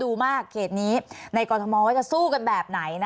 รัฐบาลนี้ใช้วิธีปล่อยให้จนมา๔ปีปีที่๕ค่อยมาแจกเงิน